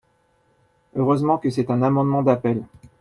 Heureusement que c’est un amendement d’appel